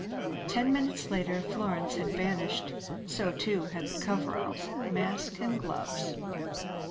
Ten minutes later Florence had vanished; so too had the coveralls, mask and gloves.